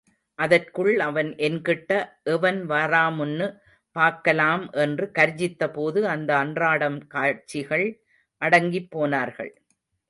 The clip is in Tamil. அதற்குள் அவன், என்கிட்ட எவன் வாராமுன்னு பாக்கலாம் என்று கர்ஜித்தபோது அந்த அன்றாடம் காய்ச்சிகள் அடங்கிப் போனார்கள்.